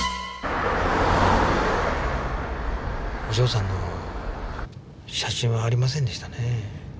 お嬢さんの写真はありませんでしたね。